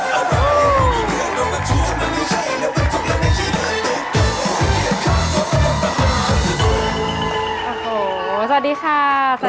โอ้โฮสวัสดีค่ะสวัสดีค่ะ